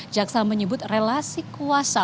jaksa menyebut relasi kuasa